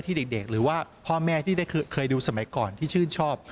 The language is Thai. เด็กหรือว่าพ่อแม่ที่ได้เคยดูสมัยก่อนที่ชื่นชอบ